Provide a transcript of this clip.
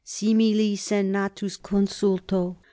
Simili senatus consulto C.